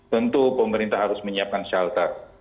tentu pemerintah harus menyiapkan shelter